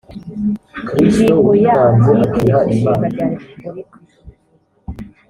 ingingo ya y itegeko nshinga rya repubulika